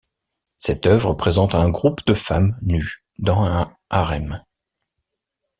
Cette œuvre présente un groupe de femmes nues dans un harem.